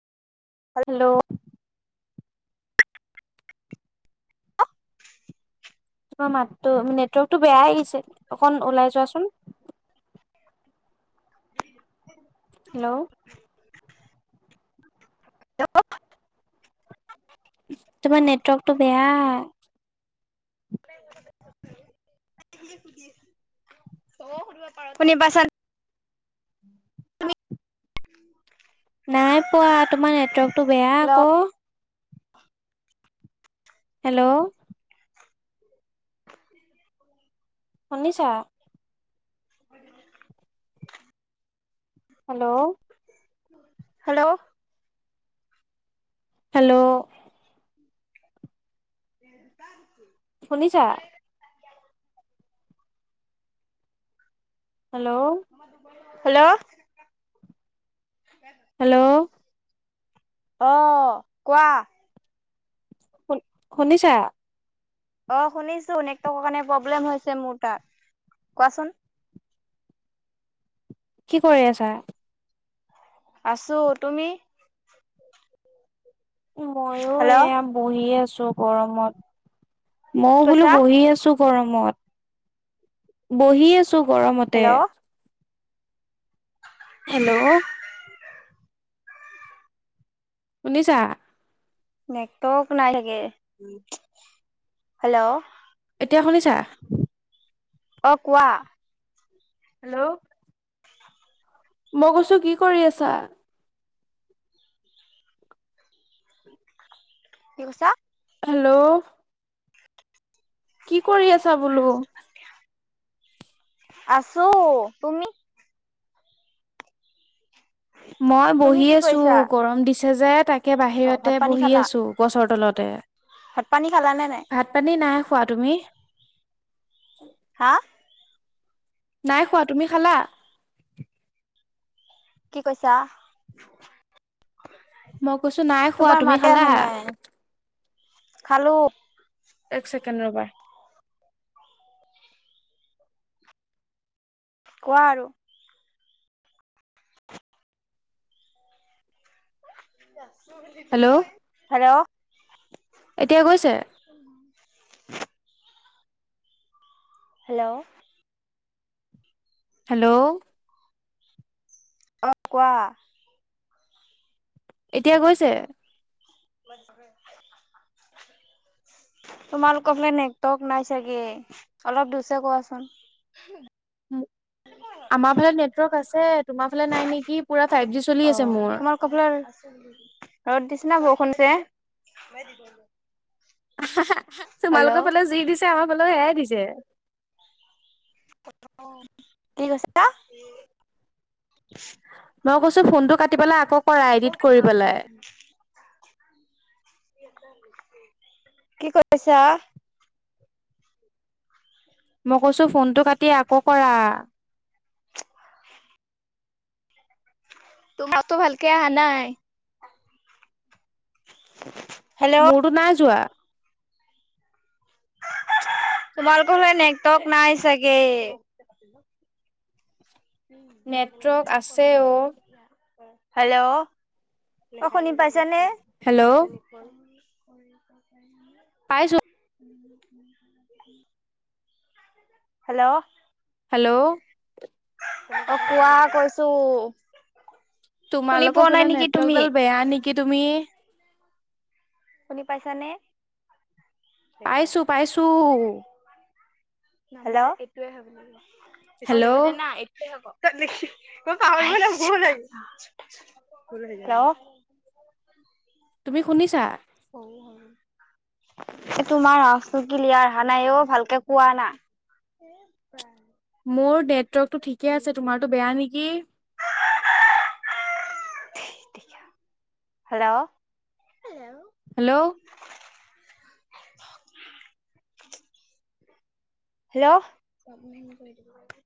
Hello তোমাৰ মাততো নেটৱৰ্কটো বেয়াই আহিছে অকন ওলাই যোৱাচোন। [inaudible] হেল্ল', হেল্ল', তোমাৰ নেটৱৰ্কটো বেয়া শুনি পাইছানে? নাই পোৱা তোমাৰ নেটৱৰ্কটো বেয়া আকৌ হেল্ল' শুনিছা হেল্ল' হেল্ল' হেল্ল' [unintelligible] শুনিছা হেল্ল' হেল্ল' হেল্ল' অ' কোৱা শো শুনিছা অ', শুনিছো নেটৰ্কৰ কাৰণে প্ৰব্লেম হৈছে মোৰ তাৰ কোৱাচোন [inaudible] কি কৰি আছা আছো তুমি ময়ো হেল্ল' এয়া বহি আছো গৰমত মইও কি বোলো কৈছা বহি আছো গৰমত বহি আছো গৰমতে হেল্ল' হেল্ল' শুনিছা নেটৱৰ্ক নাই ছাগে উম। হেল্ল', এতিয়া শুনিছা অ', কোৱা হেল্ল' মই কৈছো কি কৰি আছা কি কৈছা হেল্ল' কি কৰি আছা বোলো আছো তুমি মই তুমি বহি কি আছো কৰিছা গৰম দিছে যে তাকে তাকে অ ভাত বাহিৰতে পানী বহি খালা আছো গছৰ তলতে ভাত পানী খালা নে নাই ভাত পানী নাই খোৱা তুমি হাঁ নাই খোৱা তুমি খালা কি কৈছা মই কৈছো নাই খোৱা তোমাৰ তুমি মাতে খালা? অহা নাই খালো এক ছেকেণ্ড ৰবা কোৱা আৰু হেল্ল' [unintelligible] হেল্ল', এতিয়া গৈছে? [unintelligible] হেল্ল', হেল্ল', অ কোৱা। এতিয়া গৈছে? [unintelligible] তোমালোকক মানে নেটৰ্ক নাই চাগে অলপ দুছে কোৱাচোন উ আমাৰ ফালে নেটৱৰ্ক আছে। তোমাৰ ফালে নাই নেকি পুৰা ফাইভ জি চলি অ আছে মোৰ। তোমাৰ কপালৰ ৰদ দিছিনা ব শোনছে তোমালোকৰ ফালেও যি দিছে আমাৰ ফালেও সেয়াই দিছে কি কৈছা? মই কৈছো ফোনটো কাটি পেলাই আকৌ কৰা এডিট কৰি ভাল পেলাই। কি কৰিছা মই কৈছো ফোনটো কাটি আকৌ কৰা তোমাৰতো ভালকে অহা নাই। ভট্ট [inaudible] মোৰো না যোৱা। তোমালোকৰ ফালে নেকটক নাই চাগে। নেটৱৰ্ক আছে অ হেল্ল' ক শুনি পাইছ? যেনে হেল্ল' পাইছো [inaudible] হেল্ল', হেল্ল' অ কোৱা কৈছো। শুনি তোমালোকৰ পোৱা নাই ফালে নেকি নেট তুমি গাল বেয়া নেকি তুমি? শুনি পাইছানে? পাইছো পাইছো হেল্ল হেল্ল' না এইটোৱে হব [unintelligible] তুমি শুনিছা? [unintelligible] এই তোমাৰ আৱাজ টো ক্লিলিয়াৰ অহা নাই অ ভালকে কোৱা না। [unintelligible] মোৰ নেটৱৰ্কতটো ঠিকে আছে তোমাৰটো বেয়া নেকি হেল্ল' হেল্ল' হেল্ল'